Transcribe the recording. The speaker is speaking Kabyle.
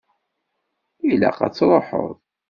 Ilaq ad tṛuḥeḍ.